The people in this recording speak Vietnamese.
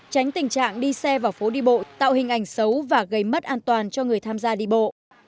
tránh tình trạng đi xe vào phố đi bộ tạo hình ảnh xấu và gây mất an toàn cho người tham gia đi bộ